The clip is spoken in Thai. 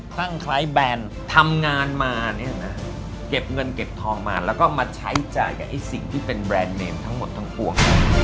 ตั้งคล้ายแบรนด์ทำงานมาเนี่ยนะเก็บเงินเก็บทองมาแล้วก็มาใช้จ่ายกับไอ้สิ่งที่เป็นแบรนด์เนมทั้งหมดทั้งปวง